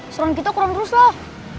seron kita kurang rus loh